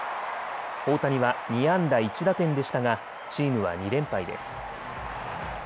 大谷は２安打１打点でしたがチームは２連敗です。